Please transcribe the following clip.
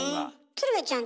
鶴瓶ちゃん